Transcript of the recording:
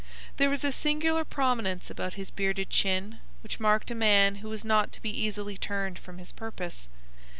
There was a singular prominence about his bearded chin which marked a man who was not to be easily turned from his purpose.